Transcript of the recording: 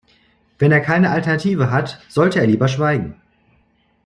Wenn er keine Alternative hat, sollte er lieber schweigen.